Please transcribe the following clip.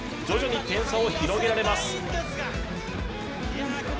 徐々に点差を広げられます。